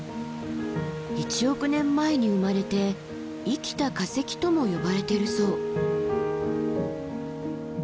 １億年前に生まれて生きた化石とも呼ばれてるそう。